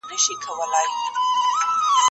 زه ونې ته اوبه نه ورکوم؟!